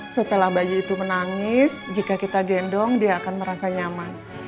setelah bayi itu menangis jika kita gendong dia akan merasa nyaman